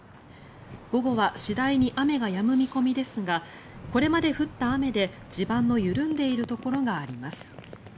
午後は次第に雨がやむ見込みですがこれまで降った雨で地盤の緩んでいるところがあります。